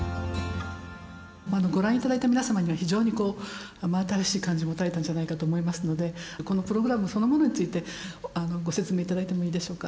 ご覧頂いた皆様には非常にこう真新しい感じを持たれたんじゃないかと思いますのでこのプログラムそのものについてご説明頂いてもいいでしょうか。